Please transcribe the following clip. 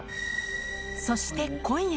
そして今夜。